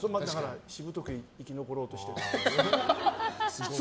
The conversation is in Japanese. しぶとく生き残ろうとしてる。